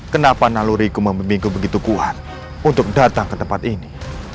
kenapa naluriku meminku begitu kuat untuk datang ke tempat ini